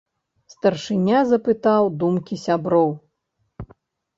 Старшыня запытаў думкі сяброў.